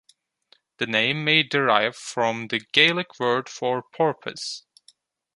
The name may derive from the Gaelic word for porpoise.